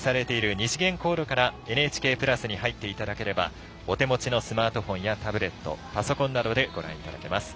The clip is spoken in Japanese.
２次元コードからＮＨＫプラスに入っていただければお手持ちのスマートフォンやタブレット、パソコンなどでご覧いただけます。